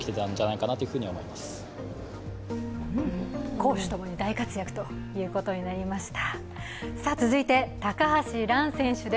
攻守共に大活躍ということになりました。